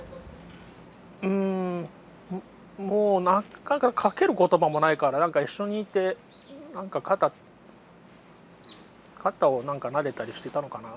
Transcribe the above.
うんもうかける言葉もないからなんか一緒にいて肩をなでたりしてたのかなぁ。